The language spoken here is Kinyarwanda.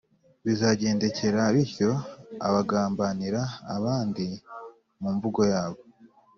Bizagendekera bityo abagambanira abandi mu mvugo yabo,